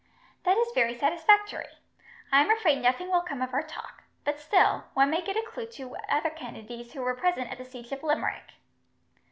"That is very satisfactory. I am afraid nothing will come of our talk; but still, one may get a clue to other Kennedys who were present at the siege of Limerick."